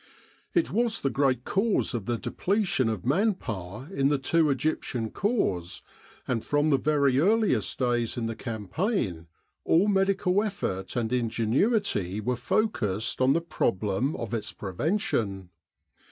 It was the great cause of the depletion of man power in the two Egyptian Corps, and from the very earliest days in the campaign all medical effort and ingenuity were focused on the problem of its preven tion.